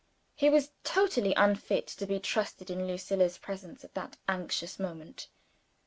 He was totally unfit to be trusted in Lucilla's presence at that anxious moment.